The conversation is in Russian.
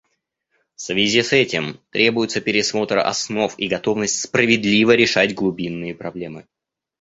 В связи с этим требуются пересмотр основ и готовность справедливо решать глубинные проблемы.